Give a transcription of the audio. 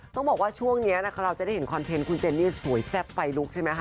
ต้องบอกว่าช่วงนี้นะคะเราจะได้เห็นคอนเทนต์คุณเจนนี่สวยแซ่บไฟลุกใช่ไหมคะ